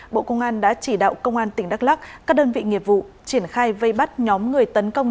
bộ công an đã chỉ đạo công an tỉnh đắk lắc các đơn vị nghiệp vụ triển khai vây bắt nhóm người tấn công